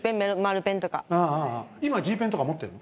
今。